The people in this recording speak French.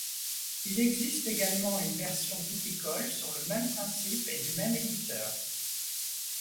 Il existe également une version viticole sur le même principe et du même éditeur.